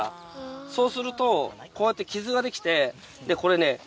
そうするとこうやって傷ができて。